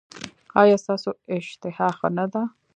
ایا ستاسو اشتها ښه نه ده؟